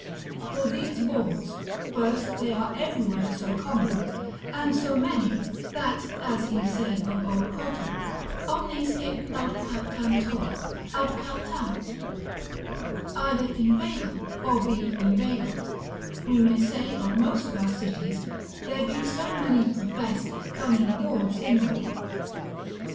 For these bawds, first, they are everywhere so common, and so many, that, as he said of old Croton, omnes hic aut captantur, aut captant, either inveigle or be inveigled, we may say of most of our cities, there be so many professed, cunning bawds in them.